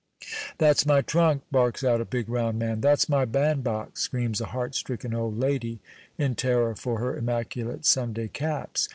"That's my trunk!" barks out a big, round man. "That's my bandbox!" screams a heart stricken old lady, in terror for her immaculate Sunday caps.